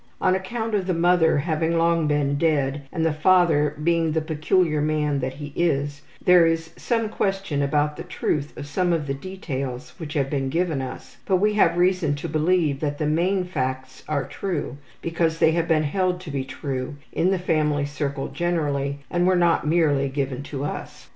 On account of the mother having long been dead and the father being the peculiar man that he is there is some question about the truth of some of the details which have been given us, but we have reason to believe that the main facts are true because they have been held to be the truth in the family circle generally and were not merely given to us.